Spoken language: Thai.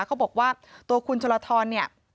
เขาบอกว่าตัวคุณชลทรเนี่ย